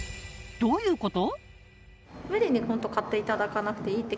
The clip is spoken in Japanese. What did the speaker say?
どういうこと？